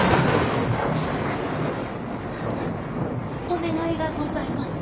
お願いがございます。